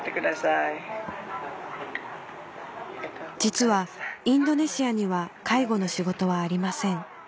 実はインドネシアには介護の仕事はありません